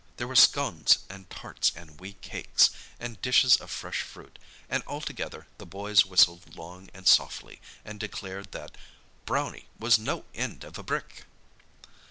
There were scones and tarts and wee cakes, and dishes of fresh fruit, and altogether the boys whistled long and softly, and declared that "Brownie was no end of a brick!"